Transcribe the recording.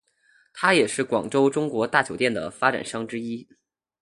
他也是广州中国大酒店的发展商之一。